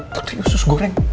putri sus goreng